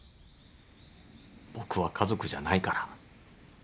僕は家族じゃないから。